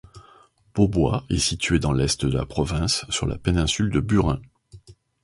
Beau-Bois est situé dans l'Est de la province, sur la péninsule de Burin.